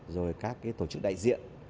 rồi các tổ chức đại diện